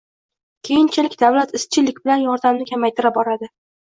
keyinchalik davlat izchillik bilan yordamni kamaytira boradi.